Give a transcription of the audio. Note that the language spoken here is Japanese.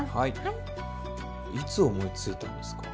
いつ思いついたんですか？